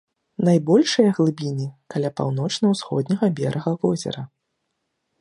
Найбольшыя глыбіні каля паўночна-ўсходняга берага возера.